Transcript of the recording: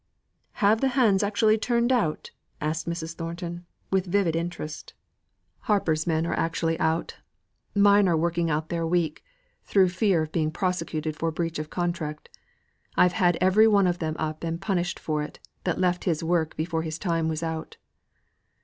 "Have the hands actually turned out?" asked Mrs. Thornton, with vivid interest. "Hamper's men are actually out. Mine are working out their week, through fear of being prosecuted for breach of contract. I'd have had every one of them up and punished for it, that left his work before his time was out."